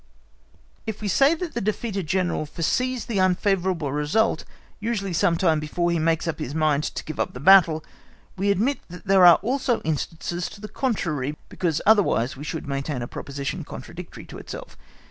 If we say that the defeated General foresees the unfavourable result usually some time before he makes up his mind to give up the battle, we admit that there are also instances to the contrary, because otherwise we should maintain a proposition contradictory in itself.